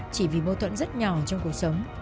chỉ vì mâu thuẫn rất nhỏ trong cuộc sống